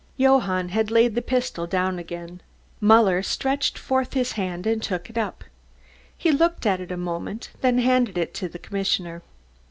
Johann had laid the pistol down again. Muller stretched forth his hand and took it up. He looked at it a moment, then handed it to the commissioner.